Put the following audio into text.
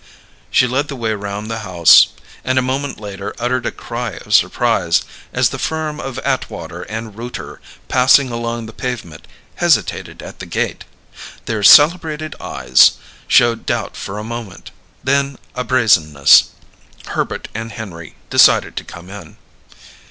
She led the way round the house, and a moment later uttered a cry of surprise as the firm of Atwater & Rooter, passing along the pavement, hesitated at the gate. Their celebrated eyes showed doubt for a moment, then a brazenness: Herbert and Henry decided to come in.